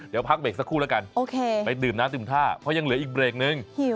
เดี๋ยวพักเบรกสักครู่แล้วกันดื่มหน้าดื่มธาของยังมีอีกเบรกนึง